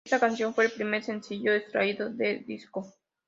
Esta canción fue el primer sencillo extraído del disco.